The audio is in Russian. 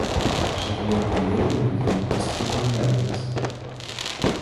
Оживление Левина ему искренно нравилось.